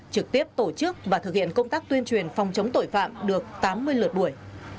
trực tiếp tổ chức và thực hiện công tác tuyên truyền phòng chống tội phạm được tám mươi lượt buổi